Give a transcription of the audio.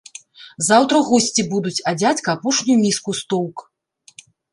Заўтра госці будуць, а дзядзька апошнюю міску стоўк.